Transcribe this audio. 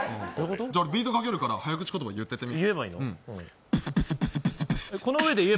じゃあ、ビートかけるから早口言葉言ってみ。